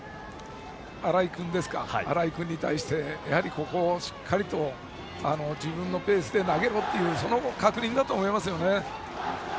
荒居君に対してここをしっかりと自分のペースで投げろという確認だと思いますね。